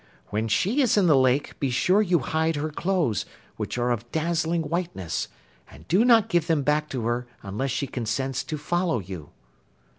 When she is in the lake, be sure you hide her clothes, which are of dazzling whiteness, and do not give them back to her unless she consents to follow you.